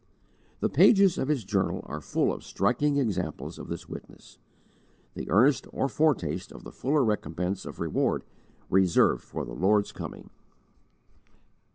The pages of his journal are full of striking examples of this witness the earnest or foretaste of the fuller recompense of reward reserved for the Lord's coming.